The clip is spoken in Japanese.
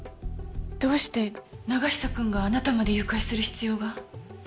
どうして永久くんがあなたまで誘拐する必要が？